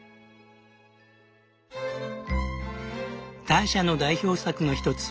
ターシャの代表作の一つ